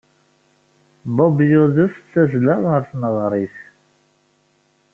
Bob yudef d tazzla ɣer tneɣrit.